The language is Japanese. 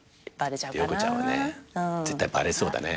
涼子ちゃんは絶対バレそうだね。